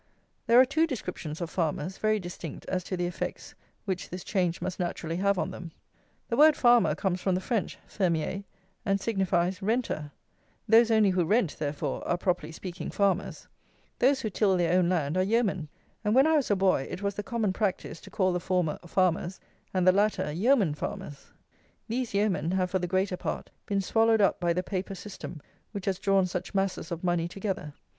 There are two descriptions of farmers, very distinct as to the effects which this change must naturally have on them. The word farmer comes from the French, fermier, and signifies renter. Those only who rent, therefore, are, properly speaking, farmers. Those who till their own land are yeomen; and when I was a boy it was the common practice to call the former farmers and the latter yeoman farmers. These yeomen have, for the greater part, been swallowed up by the paper system which has drawn such masses of money together.